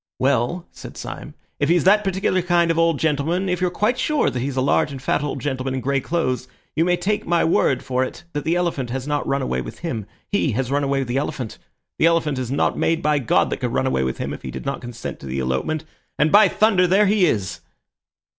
"Well," said Syme, "if he's that particular kind of old gentleman, if you're quite sure that he's a large and fat old gentleman in grey clothes, you may take my word for it that the elephant has not run away with him. He has run away with the elephant. The elephant is not made by God that could run away with him if he did not consent to the elopement. And, by thunder, there he is!"